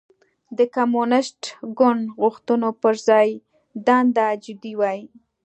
د کمونېست ګوند غوښتنو پر ځای دنده جدي وای.